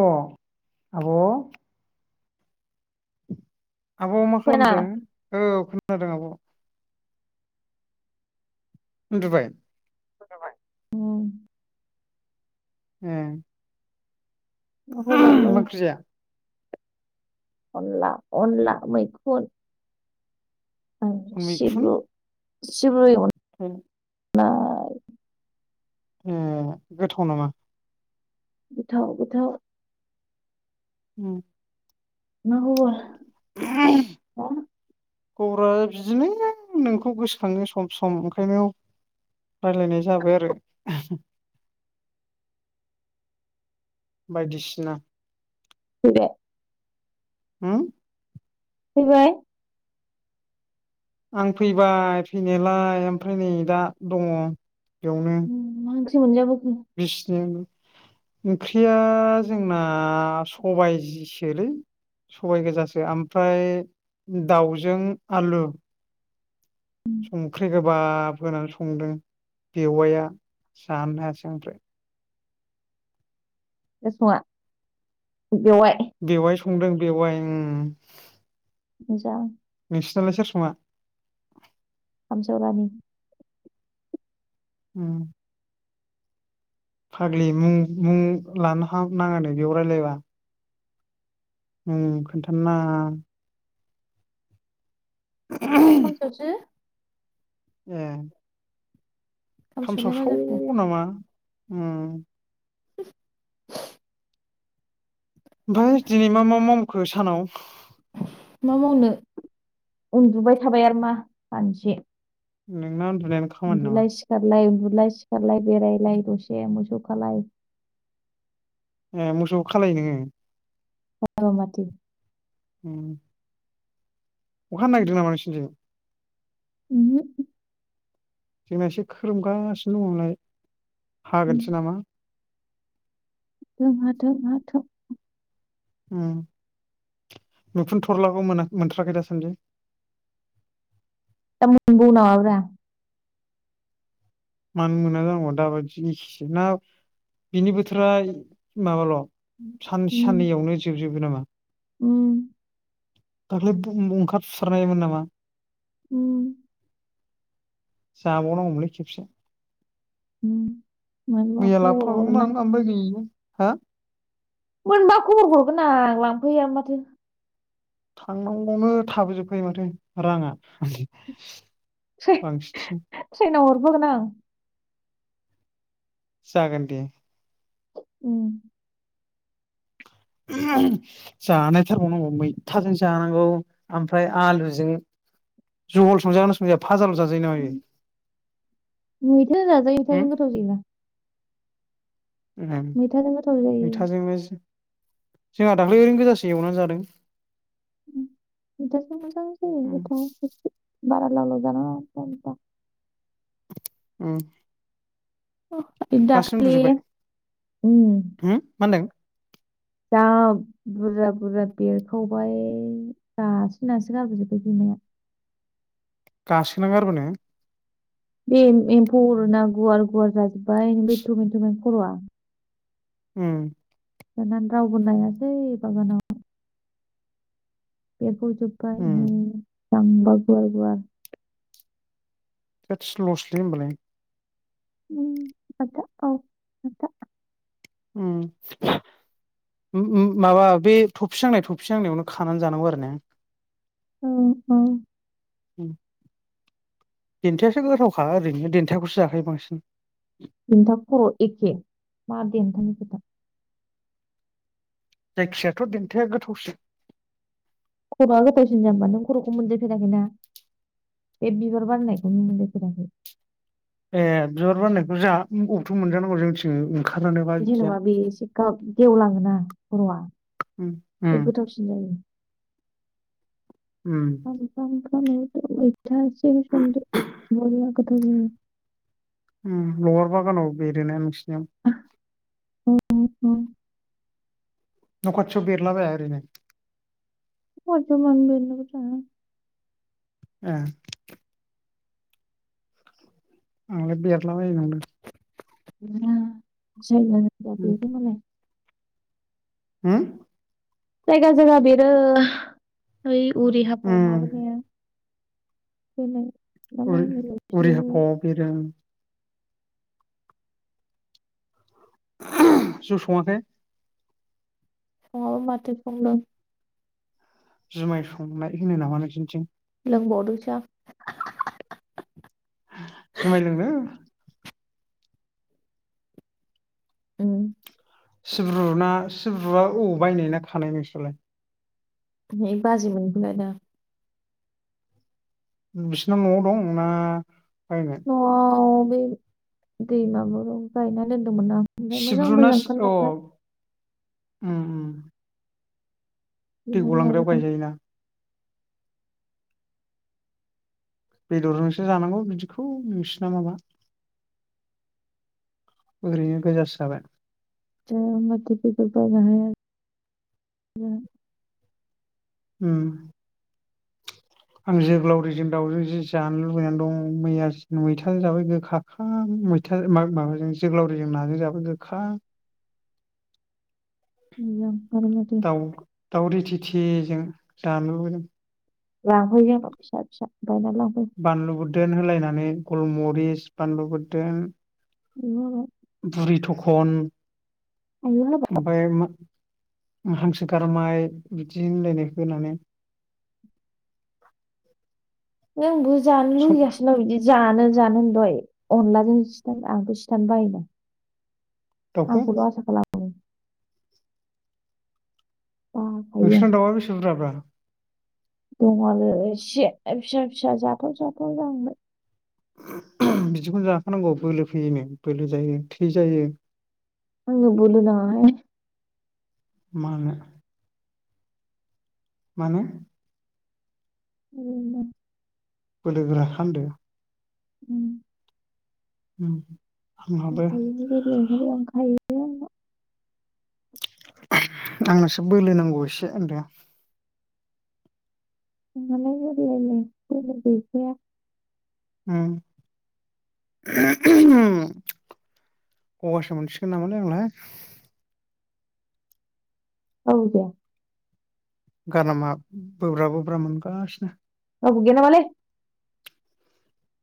अ आब' [inaudible] आब' मा फोना खालामदों औ खो खोनादों आब' उन्दुबाय उम ए मा खबर लै? मा ओंख्रि जाया अनला अनला मैखुन ओं सिबु सिब्रु एव उम नाय ए गोथाव नामा? गोथाव गोथाव उम मा खबर हा खबरा बिदिनो नोंखौ गोसोखाङो सम सम ओंखायनो रायलायनाय जाबाय आरो बायदिसिना फैदो हो फैबाय आं फैबाय फैनायालाय ओमफ्राय नै दा दङ बेयावनो मोनजा बिसनायावनो ओंख्रिया जोंना सबायजिसोलै सबायाइ गोजासो ओमफ्राय दाउजों आलु संख्रि गो बाब होनानै संदों बेववाइआ जानो हायासै ओमफ्राय [unintelligible] बेवाय दों बेवाय ओं मोजां लाय सोर सङा? बिहामजो रानि उम फाग्लि मुं मुं लानो हा नाङानो बेयाव रायलायबा उम खोनथानो नाङा खामसावसो ए खामसाव खामसावलाय मा जाखो साव नामा? उम [unintelligible] ओमफाय दिनै मा मा मावखो सानाव? मा मावनो उन्दुबाय थाबाय आरो मा मानसे नोंनाव उन इन्दुलाय सिकारलाय उन लाय सिखारलाय बेरायलाय दसे मोसौ खालाय ए मोसौबो खालायो नोङो हायाबा माथो उम अखाहानो नागिरदों नामा नोंसोरनिथिं? उमहो जोंना एसे खोरोमगासिनो दङलाय हागोनसो नामा ओं हाथों हाथों उम मैखुन थरलाखौ मोना-मोनथ्राखै दासान्दि दा मोनबावो नामाब्रा मानो मोना जानांग' दाबायदिनिखि ना बिनि बोथोरा माबाल' सान साननैयावनो जोबजोब गो नामा। उम दाख्लै बुम ओंखारसारनायमोन नामा? उम जाबावनांगौमोनलै खेबसे उम मैया लाबोफागौमोन आं आमबाय गैया हा मोनबा खबर हरगोन आं लांफैयानो माथो थांनांगौवनो थाबोजोबखायो माथो राङा। [unintelligible] बांसिन ट्रेनाव हरफागोन आं जागोन दे उम जानायथारबावनांगौ मैथाजों जानांगौ ओमफ्राय आलुजों जहल संजागोन ना संजाया? भाजाल जाजायो‌ नामा बियो मैथाजों जाजायो मैथा जों गोथाव जायोना। उम गोथाव जायो मैथाजोंनो जोंहा दाख्लै ओरैनो गोजासो एवना जादों। उम मैथाजों मोजां जायो ओम गोथाव गोखै बारा लावलाव जानाङा खम जा उम अ इ दाखालि ओम हो मा होनदों जा बुरजा बुरजा बेरखावबाय गासिनासो गारबोजोबबाय बिमाया गासोना गारबोनो? बे एम एम्फौ अरोना गुवार गुवार जाजोबबाय बे थुमेन थुमेन खर'आ उम जानानै रावबो नायासै बागानाव बे फुजोबबाय उम जांबा गुवार गुवार थोस लसलै होमबालाय उम माथा औ माथा उम उम उम माबा बे थफिहांनाय थफिहांनायावनो खानानै जानांगौ आरो ने? औ औ उम देनथायासो गोथावखा ओरैनो देनथाखौसो जाखायो बांसिन। देन्था खर एखे मा देन्था नि खोथा जायखियाथ' देनथाया गोथावसिन खर'आ गोथावसिन जाम्बा नों खर'खौ मोनजायफेराखैना बे बिबार बारनायखौ नों मोनजा फेराखै ए बिबार बारनायखौ जा अबथो मोनजानांगौ जोंथिं? ओंखारानोबा बिदिया जेनेबा बे एसे गा गेवलाङोना खर'आ उम बे उम गोथावसिन जायो उम [unintelligible] [unintelligible] थासिम संदो बरिया गोथाव जायो उम लबार बागानाव बेरोना नोंसिनियाव उम उम न' खाथियाव बेरला बाया एरैनो न' खाथियाव मानो बेरनोबो थाङा ए आंलाय बेरला बायो नंदों। बेरा जायगा जायगा बेरो मालाय होम जायगा जायगा बेरो ओइ उरि हापाव उम माबानाया बेलाय उर उरि हाफाव बेरो उम। [unintelligible] जौ सङाखै? फुङाव माथो बुंदों। जुमाय संनाय होनो नामा नोसिनिथिं। लोंबवदोंसो आं। जुमाय लोंनो उम सिब्रु‌ ना सिब्रुआ अ बायनाय ना खानाय नोंसोरलाय? है बाजि मोनखौ लायदा। बिसिना न'आव दं ना बायनाय न'आव बै दैमागुरं गायनानै दोन मोन ना ओमफ्राय मोजां सिब्रुना मोजां ओंखार अ नायखाय उम उम। दै बिनानै गलांग्रायाव लाबोदों गायजायोना? बेदरजोंसो जानांगौ बिदिखौ नोंसिना माबा ओरैनो गोजासो जाबाय। जाया माथो बेदर बायनो हाया जोहा। उम आं जोग्लावरिजों दाउजों जि जानो लुबैनानै दं मैया मैथाजों जाबाय गोखाखा मैथा मा माबाजों जोग्लावरिजों नाजों जाबाय गोखा मोजां आरोमाथो। दाउ दाउ रि थिथिजों जानो लुबैदों। लाहोयो आंनाव फिसा फिसा। बायना लांफै बानलु बुरदोन होलायनानै गुलमरिस पानलु बुरदोन आयु हाबा बुरि थख अन आयु हाबा ओमफ्राय मा? हांसो गारमाय बिदि होनलायनायखौ होनानै। [unintelligible] जानो सब लुबै गासिनो बिदि। जानो जानो होनदय अनलाजों सिथार आंथ सिथारनो बायोना। दाउखौ आंखौल' आसा खालाम बाखायो नोंसिना दाउवा बेसे बुरजाब्रा। दंङ आरो एसे फिसा फिसा जाथाव जाथाव जांहांबाय। बिदिखौनो जाखानांगौ बोलो फैयोनो बोलो जायो थै जायो। आंनो बोलो नाङा हाइ। मानो? मानो? दंखायोनो बोलोगोरा खामदो। उम [unintelligible] आंनोसो बोलो नांगौ एसे होनदों। नोंहालाय गोरलैनो [unintelligible] उम ग‌गासो मोनसिगोन नामालै आंलाय। औ दे। गारामा बोब्रा बोब्रा मोनगासिनो। रावबो गैया नामालै?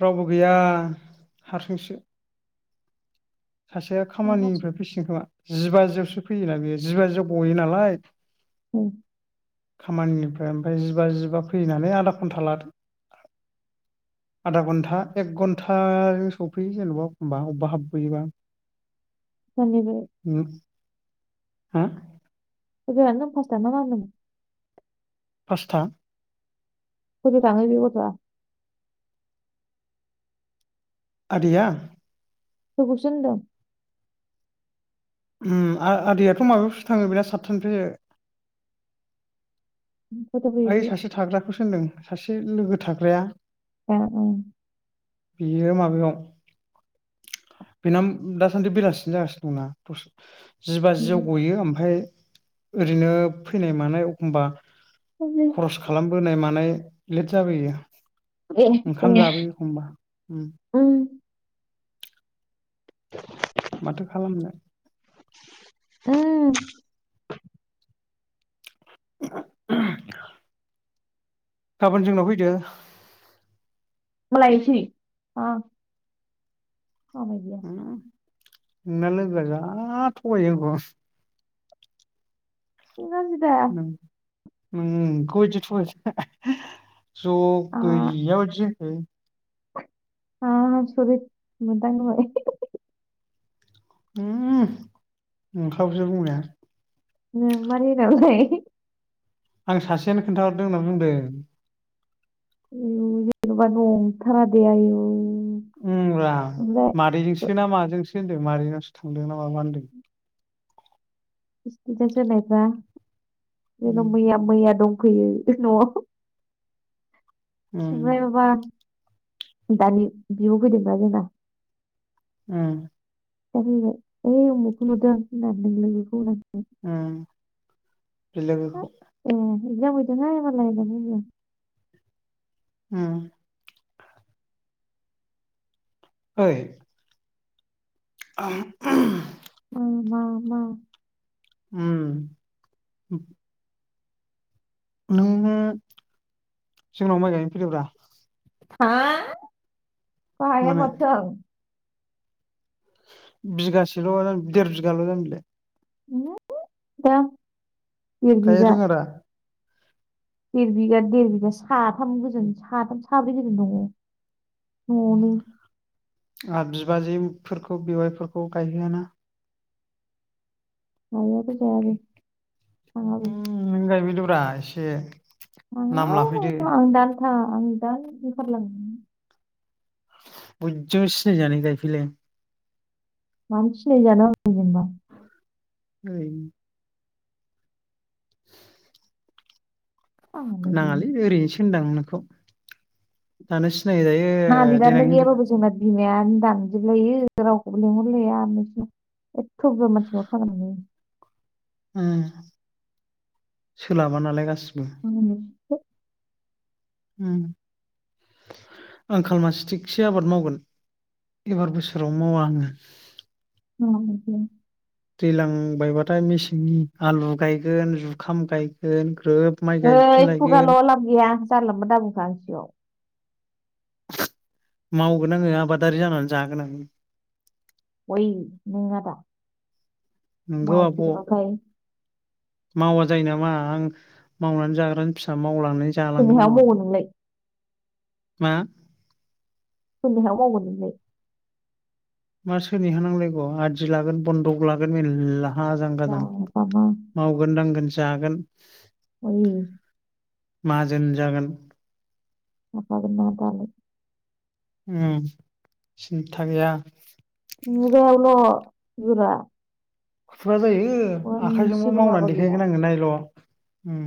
रावबो गैया हारसिंसो। सासेआ नोंहासो खामानिनिफ्राय फैसिगोन खोमा। जिबा जियावसो फैयोना बेयो जिबा जियाव गयो नालाय औ खामानिनिफ्राय ओमफाय जिबा जिबा फैयो नालाय आधा घन्टा लादो आधा घन्टा एक घन्टाजों सफैयो जेनेबा एखमबा अबबा हाबबोयोबा। [unintelligible] हा? [unintelligible] पास्था कयतायाव थाङो बे गथ'आ? आदैया? [unintelligible] सो होनदों उम आ आदैयाथ' माबायावसो थाङो बेना सातथानिफ्राय फैयो ओइ सासे थाग्राखौसो होनदों। सासे लोगो थाग्राया [unintelligible] याव बेनाम दासान्दि बेलासिनि जागासिनो दंना दस जिबाजियाव गयो ओमफाय ओरैनो फैनाय मानाय अखमबा बेलाय खरस खालाम बोनाय मानाय लेट जाबोयो। ए ओंखाम ए जाबोयो एखमबा उम माथो खालामनो उम [unintelligible] गाबोन जोंनाव फैदो। मा लायनोसै थाङां। उम नोंना लोगोआ जा थगायो आंखौ। जि गारजिदा नंगौ बायदि [unintelligible] ज' गैया बायदि ओइ आसरिद मोनदों दहाय ओम नोंखागौसो बुंनाया। [unintelligible] आं सासेयानो खोन्थाहरदों होननानै बुंदों। उम जेन'बा नंथारा दे आयु उम रा मादैजोंसो ना माजोंसो होनदों मारैनावसो थांदोंना माबा होनदों। इबथिथास होनायफ्रा जेनो उम मैया मैया दं फैयो न'आव उम ओंखाय माबा दानि बिब' फैदोंबा जोंना उम खिथा फैबाय ओइ उमुखखौ नुदों नोंलोगोखौ होनना। उम हाब, बिलोगोखौ [unintelligible] उम ओइ आ [unintelligible] ओं मा मा उम नोंनो जोंनाव माइ गायनो फैदोब्रा। हा बाहायला माने माथो आं बिगासेल' जा देर बिगाल' जामबिलाय। दा देर गायनो बिगा रोङा दा? देर बिगा देर बिघा साथाम गोजोन साथाम साब्रै गोजोन दङ न'आवनो। आङा बिबाजैफोरखौ बेवाइफोरखौ गायहोआ ना। मावैयाबो जायाबो थाङाबो उम नों गायबैद ब्ला एसे नाम लाफैदो [unintelligible] आं दानो बिरखारलां बुजजा सिनायजानो गायफैलाय। मानो सिनाय जानो आं जेनबा? ओइ आंहालाय बे नाङालै ओरैनोसो होनदां नोंखौ। दानो सि नायजायो नानि दाननो देनां हिनजाव गैयाबाबो जोंना बिमायानो दानजोबलायो रावखौबो लेंंहरलाया नोंसना एथ' बुरजा मानसिङाव [unintelligible] उम सोलाबा नालाय गासिबो ं [unintelligible] [unintelligible] आं खालमासे थिगसे आबाद मावगोन एबार बोसोराव मावा आङो। औ [unintelligible] दैज्लां बायबाथाय मेसेंनि आलु गायगोन जुखाम गायगोन ग्रोब माइ हैय गायफिनलायगोन खुगाल' लाब गैया जानलामानला दा बुंखा आं नि सिगाव मावगोन आङो आबादारि जानानै जागोन आं अई नङादा? नोंगौ आब' मावसोग्राखाय। मावा जायो नामा आं मावनानै जाग्रानि फिसा मावलांनानै सोरनि जालांगोन हायाव आंबो। मावो नोंलाय मा? अबे हायाव मावगोन नोंलाय? मा सोरनिहा नांलायगौ आदि लागोन बन्दक लागोन मेरलला आजां गाजां मावगोन दांगोन। जागोन [unintelligible] माहाजोन जागोन। आ मा दालाय उम सिन्था गैया। ए्ल' जरा [unintelligible] खुरा जायो। आखाइजोंबो मावनानै देखायगोन आङो नायल' उम